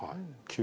９